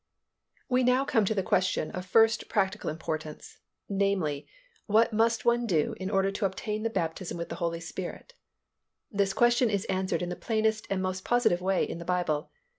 We come now to the question of first practical importance, namely, WHAT MUST ONE DO IN ORDER TO OBTAIN THE BAPTISM WITH THE HOLY SPIRIT? This question is answered in the plainest and most positive way in the Bible.